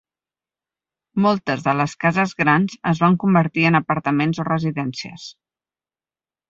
Moltes de les cases grans es van convertir en apartaments o residències.